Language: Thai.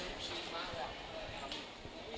อันนี้ก็จะเป็นอันนที่สุดท้าย